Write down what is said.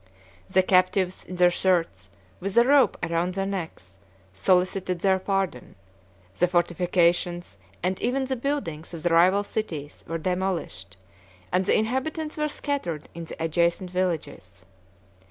The captives, in their shirts, with a rope round their necks, solicited their pardon: the fortifications, and even the buildings, of the rival cities, were demolished, and the inhabitants were scattered in the adjacent villages.